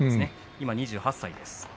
今２８歳です。